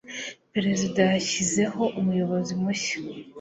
Perezida yashyizeho umuyobozi mushya.